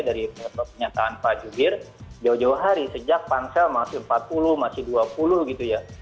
dari pernyataan pak jubir jauh jauh hari sejak pansel masih empat puluh masih dua puluh gitu ya